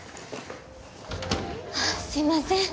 すいません